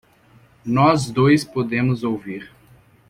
Nós dois podemos ouvir.